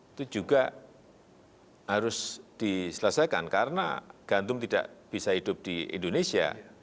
itu juga harus diselesaikan karena gantung tidak bisa hidup di indonesia